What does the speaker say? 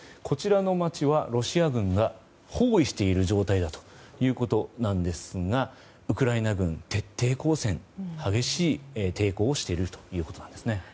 こちらの街はロシア軍が包囲している状態だということですがウクライナ軍、徹底抗戦激しい抵抗をしているということなんですね。